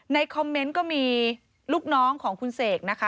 คอมเมนต์ก็มีลูกน้องของคุณเสกนะคะ